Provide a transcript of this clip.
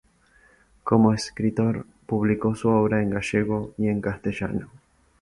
Como escritor publicó su obra en gallego y en castellano.